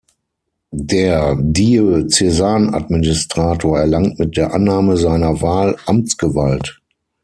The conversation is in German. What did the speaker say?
Der Diözesanadministrator erlangt mit der Annahme seiner Wahl Amtsgewalt.